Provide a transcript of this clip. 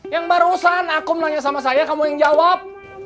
yang barusan akum nanya sama saya kamu yang jawab